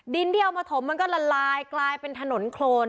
ดินที่เอามาถมมันก็ละลายกลายเป็นถนนโครน